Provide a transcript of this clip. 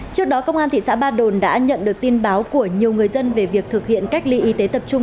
trước đó công an thị xã ba đồn đã nhận được tin báo của nhiều người dân về việc thực hiện cách ly y tế tập trung